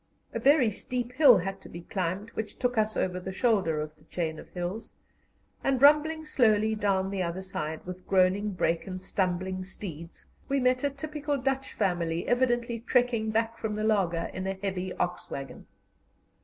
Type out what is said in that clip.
A very steep hill had to be climbed, which took us over the shoulder of the chain of hills, and rumbling slowly down the other side, with groaning brake and stumbling steeds, we met a typical Dutch family, evidently trekking back from the laager in a heavy ox waggon.